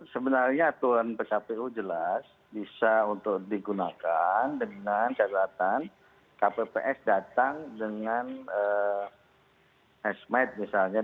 sebenarnya aturan psapu jelas bisa untuk digunakan dengan kejahatan kpps datang dengan hesmed misalnya